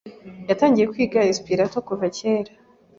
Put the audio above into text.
Watangiye kwiga Esperanto kuva kera?